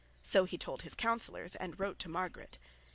So he told his councillors and wrote to Margaret.